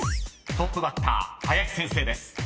［トップバッター林先生です］